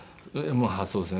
まあそうですね。